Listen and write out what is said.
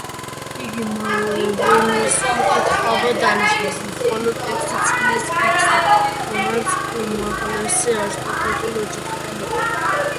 იგი მალევე მის უკითხავად დანიშნეს მხოლოდ ექვსი წლის ბიჭზე, რომელიც უმაღლესი არისტოკრატიული ოჯახიდან იყო.